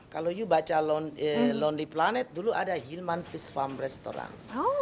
kalau kamu baca lonely planet dulu ada hillman fish farm restaurant